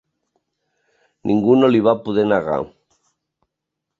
Ningú no l'hi va poder negar.